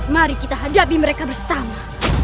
mari kita hadapi mereka bersama